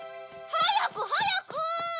はやくはやく！